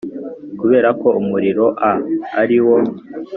kubera ko umuriro a ari wo